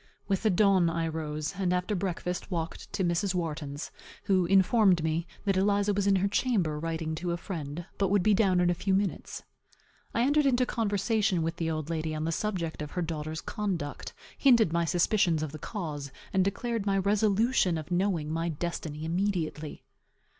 With the dawn I rose; and after breakfast walked to Mrs. Wharton's, who informed me, that Eliza was in her chamber, writing to a friend, but would be down in a few minutes. I entered into conversation with the old lady on the subject of her daughter's conduct; hinted my suspicions of the cause, and declared my resolution of knowing my destiny immediately.